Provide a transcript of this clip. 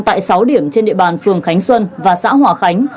tại sáu điểm trên địa bàn phường khánh xuân và xã hòa khánh